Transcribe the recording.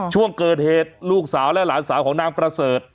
ช่วงเกิดเหตุลูกสาวและหลานสาวของนางประเสริฐ